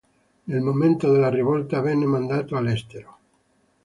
Nel momento della rivolta venne mandato all'estero.